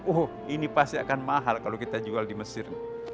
oh ini pasti akan mahal kalau kita jual di mesir